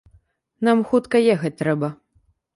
Нам хутка ехаць трэба.